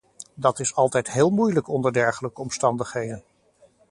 Dat is altijd heel moeilijk onder dergelijke omstandigheden.